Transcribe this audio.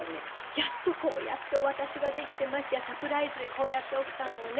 やっとこうやってお渡しができてましてやサプライズでこうやって奥さんもね